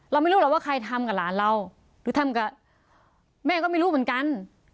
ไม่รู้หรอกว่าใครทำกับหลานเราหรือทำกับแม่ก็ไม่รู้เหมือนกัน